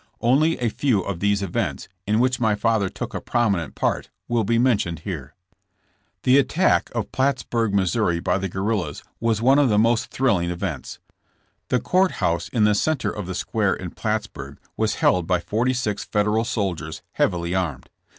Only a few of these events, in which my father took a prominent part will be mentioned here. The attack of Plattsburg, Mo., by the guerrillas was one of these most thrilling events. The court house in the center of the square in Plattsburg was held by forty six Federal soldiers heavily armed.